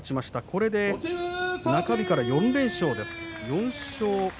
これで中日から４連勝です。